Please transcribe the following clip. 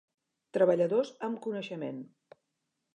Treballadors amb coneixement.